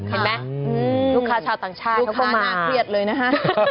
เห็นไหมลูกค้าชาวต่างชาติเขาก็น่าเครียดเลยนะฮะ